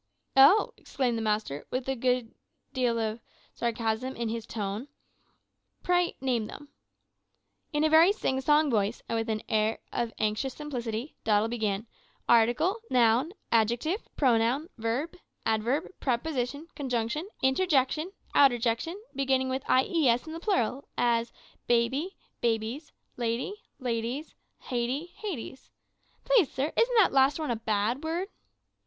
"`Oh!' exclaimed the master, with a good deal of sarcasm in his tone; `pray, name them.' "In a very sing song voice, and with an air of anxious simplicity, Doddle began, `Article, noun, adjective, pronoun, verb, adverb, preposition, conjunction, interjection, outerjection, beginning with ies in the plural as, baby, babies; lady, ladies; hady, hadies. Please, sir, isn't that last one a bad word?'